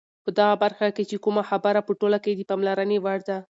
په دغه برخه کې چې کومه خبره په ټوله کې د پاملرنې وړ ده،